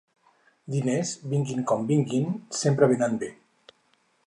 Diners, vinguin com vinguin, sempre venen bé.